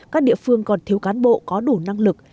các địa phương còn thiếu cán bộ có đủ năng lực